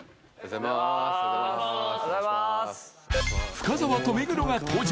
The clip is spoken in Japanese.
深澤と目黒が登場